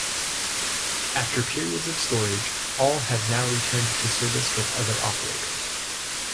After periods of storage, all have now returned to service with other operators.